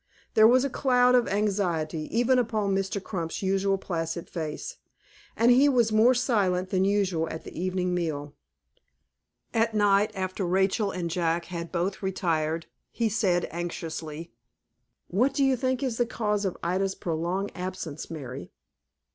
There was a cloud of anxiety, even upon Mr. Crump's usually placid face, and he was more silent than usual at the evening meal. At night, after Rachel and Jack had both retired, he said, anxiously, "What do you think is the cause of Ida's prolonged absence, Mary?"